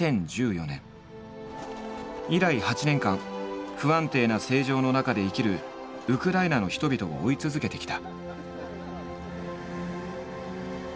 以来８年間不安定な政情の中で生きるウクライナの人々を追い続けてきた。